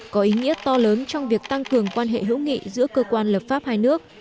có ý nghĩa to lớn trong việc tăng cường quan hệ hữu nghị giữa cơ quan lập pháp hai nước